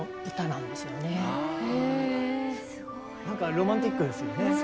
なんかロマンティックですよね。